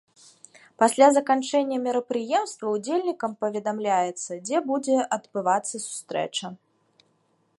Пасля заканчэння мерапрыемства ўдзельнікам паведамляецца, дзе будзе адбывацца сустрэча.